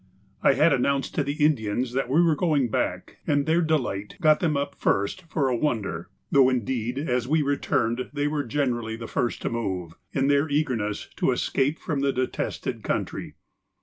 I had announced to the Indians that we were going back, and their delight got them up first for a wonder, though indeed as we returned they were generally the first to move, in their eagerness to escape from the detested country.